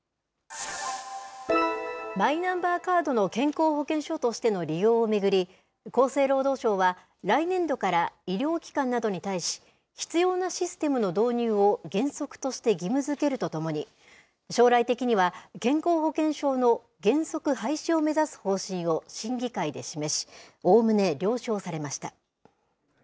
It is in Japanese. マイナンバーカードの健康保険証としての利用を巡り、厚生労働省は、来年度から医療機関などに対し、必要なシステムの導入を原則として義務づけるとともに、将来的には、健康保険証の原則廃止を目指す方針を審議会で示し、おおむね了承されました。